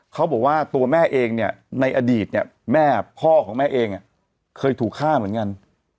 เขาบอกว่าตัวแม่เองเนี่ยในอดีตเนี่ยแม่พ่อของแม่เองเคยถูกฆ่าเหมือนกัน